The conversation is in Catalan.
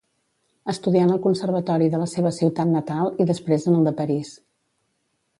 Estudià en el Conservatori de la seva ciutat natal i després en el de París.